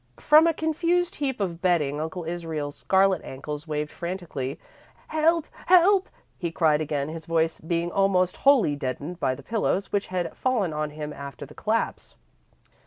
From a confused heap of bedding, Uncle Israel's scarlet ankles waved frantically. "Help! Help!" he cried again, his voice being almost wholly deadened by the pillows, which had fallen on him after the collapse.